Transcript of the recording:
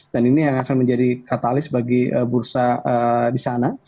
dan ini yang akan menjadi katalis bagi bursa di sana